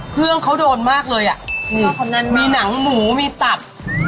เครื่องเขาโดนมากเลยอ่ะมีหนังหมูมีตัด